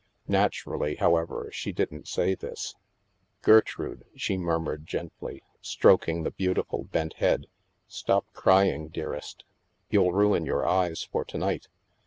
Naturally, however, she didn't say this. " Gertrude," she murmured gently, stroking the beautiful bent head, " stop crying, dearest. You'll ruin your eyes for to night.